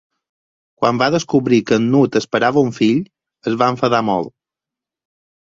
Quan va descobrir que en Nut esperava un fill, es va enfadar molt.